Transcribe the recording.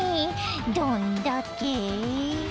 どんだけ。